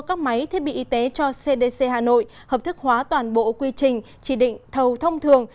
các máy thiết bị y tế cho cdc hà nội hợp thức hóa toàn bộ quy trình chỉ định thầu thông thường